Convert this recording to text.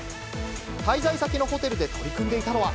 滞在先のホテルで取り組んでいたのは。